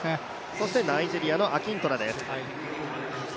そしてナイジェリアのアキントラです。